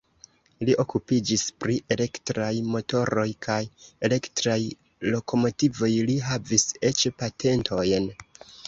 Li okupiĝis pri elektraj motoroj kaj elektraj lokomotivoj, li havis eĉ patentojn.